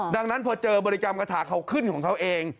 ดังนั้นพอเจอบริกรรมกระถาเขาขึ้นของเขาเอง